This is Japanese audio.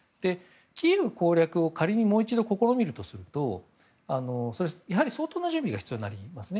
キーウ攻略を仮に、もう一度試みるとするとやはり、相当な準備が必要になりますね。